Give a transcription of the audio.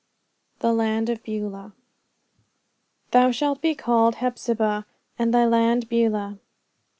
THE LAND OF BEULAH "Thou shalt be called Hephzibah, and thy land Beulah."